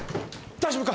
大丈夫か！？